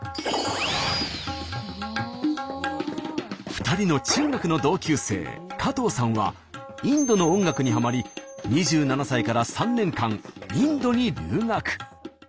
２人の中学の同級生加藤さんはインドの音楽にはまり２７歳から３年間インドに留学。